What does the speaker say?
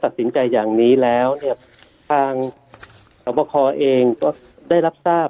สินใจอย่างนี้แล้วเนี่ยทางสวบคอเองก็ได้รับทราบ